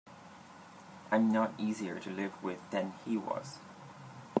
I'm not easier to live with than he was.